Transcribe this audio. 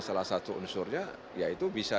salah satu unsurnya ya itu bisa